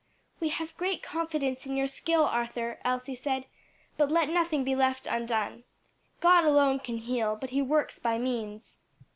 "We have great confidence in your skill, Arthur," Elsie said, "but let nothing be left undone. God alone can heal, but he works by means."